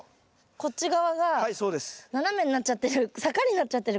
こっち側が斜めになっちゃってる。